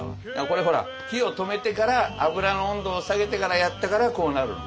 これほら火を止めてから油の温度を下げてからやったからこうなる。